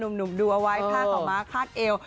นุ่มดูเอาไว้ผ้าข่าวม้าขาดเอว